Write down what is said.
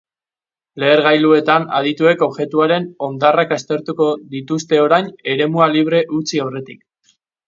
Lehergailuetan adituek objektuaren hondarrak aztertuko dituzte orain eremua libre utzi aurretik.